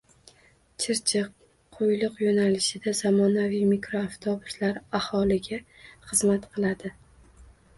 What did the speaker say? Chirchiq – Qo‘yliq yo‘nalishida zamonaviy mikroavtobuslar aholiga xizmat qiladi